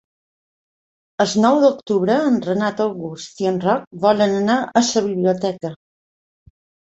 El nou d'octubre en Renat August i en Roc volen anar a la biblioteca.